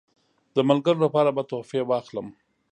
د ملګرو لپاره به تحفې واخلم.